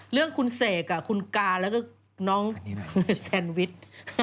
เรื่องคุณเสกคุณกาแล้วก็น้องแซนวิช